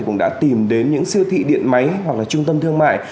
cũng đã tìm đến những siêu thị điện máy hoặc là trung tâm thương mại